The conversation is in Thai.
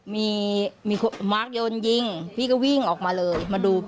มีมีมาร์คโยนยิงพี่ก็วิ่งออกมาเลยมาดู